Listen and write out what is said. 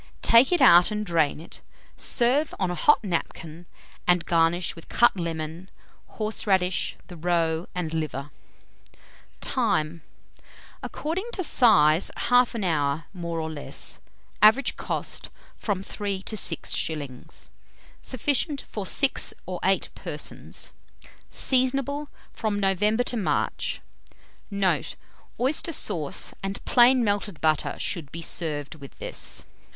Take it out and drain it; serve on a hot napkin, and garnish with cut lemon, horseradish, the roe and liver. (See Coloured Plate C.) Time. According to size, 1/2 an hour, more or less. Average cost, from 3s. to 6s. Sufficient for 6 or 8 persons. Seasonable from November to March. Note. Oyster sauce and plain melted butter should be served with this.